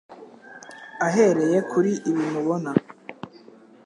Ahereye kuri ibi mubona